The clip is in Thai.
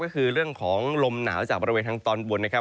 ก็คือเรื่องของลมหนาวจากบริเวณทางตอนบนนะครับ